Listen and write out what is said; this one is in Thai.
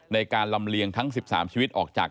ในการลำเลียงทั้ง๑๓ชีวิตออกจาก